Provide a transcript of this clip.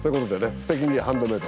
「すてきにハンドメイド」